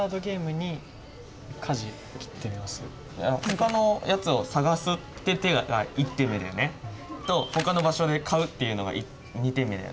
ほかのやつを探すって手が１点目だよね。とほかの場所で買うっていうのが２点目だよね。